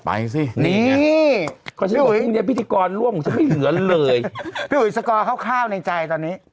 ไปสินี่พี่อุ๋ยพิธีกรร่วมจะไม่เหลือเลยพี่อุ๋ยสกอร์คร่าวในใจตอนนี้